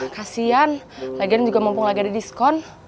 kasian lagian juga mampu lagian di diskon